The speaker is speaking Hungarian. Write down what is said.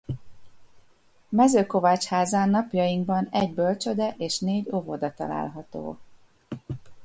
Mezőkovácsházán napjainkban egy bölcsőde és négy óvoda található.